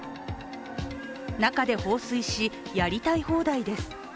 中で放水し、やりたい放題です。